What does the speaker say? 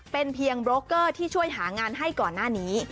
เป็นเพียงโบรกเกอร์ที่ช่วยหางานให้ก่อนหน้านี้